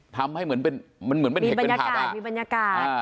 ทำให้เหมือนเป็นเห็กเป็นผักอ่ะมีบรรยากาศ